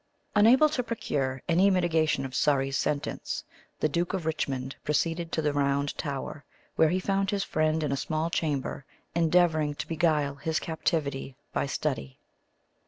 Unable to procure any mitigation of Surrey's sentence, the Duke of Richmond proceeded to the Round Tower, where he found his friend in a small chamber, endeavouring to beguile his captivity by study.